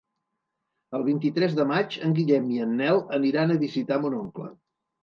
El vint-i-tres de maig en Guillem i en Nel aniran a visitar mon oncle.